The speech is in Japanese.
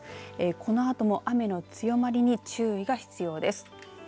このあとも雨の強まりに注意が必要です。